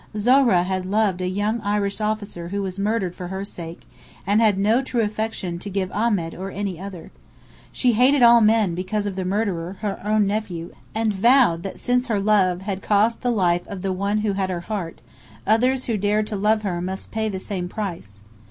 Zohra had loved a young Irish officer who was murdered for her sake, and had no true affection to give Ahmed or any other. She hated all men because of the murderer, her own nephew, and vowed that since her love had cost the life of the one who had her heart, others who dared to love her must pay the same price.